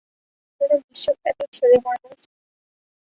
কোন বিশ্বব্যাপী ছেলেমানুষ।